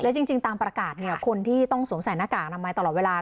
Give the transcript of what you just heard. แล้วจริงตามประกาศเนี่ยคนที่ต้องสวมใส่หน้ากากทำไมตลอดเวลา